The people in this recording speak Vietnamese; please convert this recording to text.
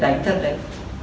đánh thật đấy